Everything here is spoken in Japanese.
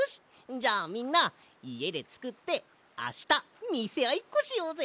じゃあみんないえでつくってあしたみせあいっこしようぜ！